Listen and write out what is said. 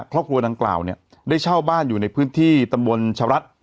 ครอบครัวดังกล่าวเนี่ยได้เช่าบ้านอยู่ในพื้นที่ตำบลชะรัฐ